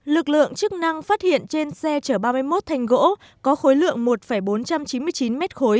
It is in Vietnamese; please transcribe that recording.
lực lượng chức năng phát hiện trên xe chở ba mươi một thanh gỗ có khối lượng một bốn trăm chín mươi chín m ba